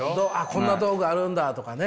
こんな道具あるんだとかね。